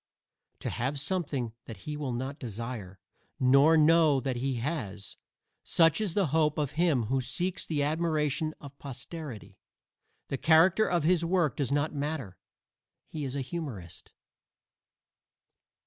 To have something that he will not desire, nor know that he has such is the hope of him who seeks the admiration of posterity. The character of his work does not matter; he is a humorist.